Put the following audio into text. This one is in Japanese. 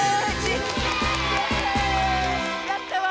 やったわ！